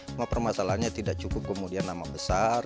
cuma permasalahannya tidak cukup kemudian nama besar